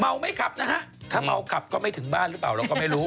ไม่ขับนะฮะถ้าเมาขับก็ไม่ถึงบ้านหรือเปล่าเราก็ไม่รู้